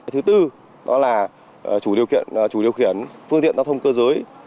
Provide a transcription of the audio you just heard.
thứ tư đó là chủ điều khiển phương tiện giao thông cơ giới